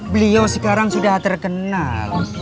beliau sekarang sudah terkenal